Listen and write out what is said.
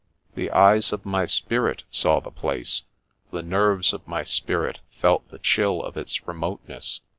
The eyes of my spirit saw the place, the nerves of my spirit felt the chill of its remoteness.